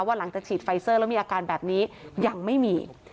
หลังจากฉีดไฟเซอร์แล้วมีอาการแบบนี้ยังไม่มี